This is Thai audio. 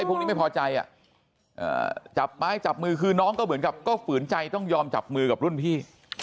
พวกนี้ไม่พอใจจับไม้จับมือคือน้องก็เหมือนกับก็ฝืนใจต้องยอมจับมือกับรุ่นพี่